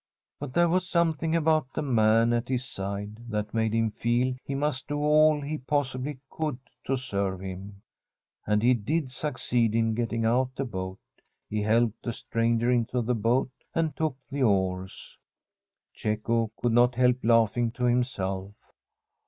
But there was something about the man at his side that made him feel he must do all he possibly could to serve him ; and he did succeed in getting out the boat. He helped the stranger into the boat and took the oars. Cecco could not help laughing to himself.